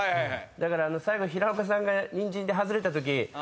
だから最後平岡さんが「にんじん」で外れたとき。